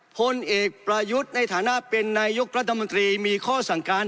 พลเอกประยุทธ์ในฐานะเป็นนายกรัฐมนตรีมีข้อสั่งการ